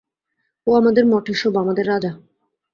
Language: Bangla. ও আমাদের মঠের শোভা, আমাদের রাজা।